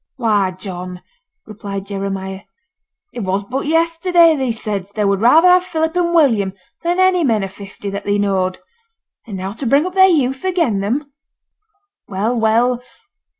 'Why, John,' replied Jeremiah, 'it was but yesterday thee saidst thee would rather have Philip and William than any men o' fifty that thee knowed. And now to bring up their youth again them.' 'Well, well!